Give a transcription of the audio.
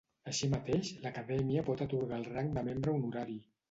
Així mateix, l'Acadèmia pot atorgar el rang de membre honorari.